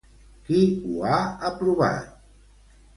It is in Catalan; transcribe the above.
Qui ho ha aprovat?